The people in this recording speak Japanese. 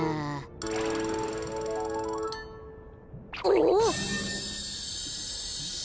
おっ！